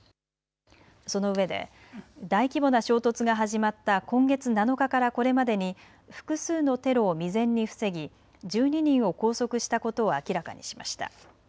そのうえで大規模な衝突が始まった今月７日からこれまでに複数のテロを未然に防ぎ１２人を拘束したことを明らかにしました。